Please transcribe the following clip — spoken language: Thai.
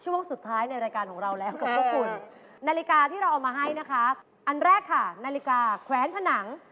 เวลาสำหรับคุณ